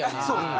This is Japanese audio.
そう！